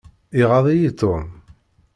Iɣaḍ-iyi Tom.